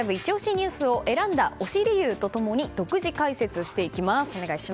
ニュースを選んだ推し理由と共に独自解説していきます。